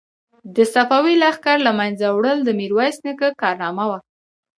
د صفوي لښکر له منځه وړل د میرویس نیکه کارنامه وه.